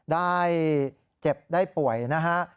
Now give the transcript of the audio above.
ได้เจ็บได้ป่วยนะฮะ